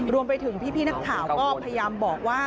รวมไปถึงพี่นักข่าวก็พยายามบอกว่า